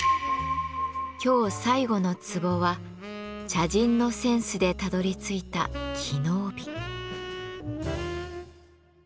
今日最後の壺は「茶人のセンスでたどり着いた機能美」。